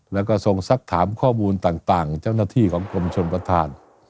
แล้วก็ทรงสักถามข้อมูลต่างเจ้าหน้าที่ของกรมชนประธาน